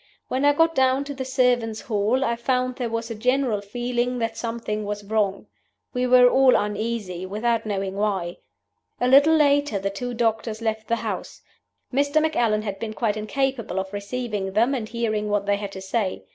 When I got down to the servants' hall I found there was a general feeling that something was wrong. We were all uneasy without knowing why. "A little later the two doctors left the house. Mr. Macallan had been quite incapable of receiving them and hearing what they had to say.